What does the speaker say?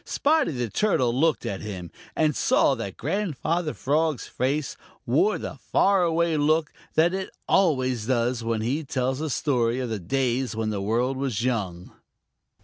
Spotty the Turtle looked at him, and saw that Grandfather Frog's face wore the far away look that it always does when he tells a story of the days when the world was young.